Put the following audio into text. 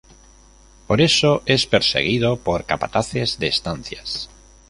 Por eso es perseguido por capataces de estancias.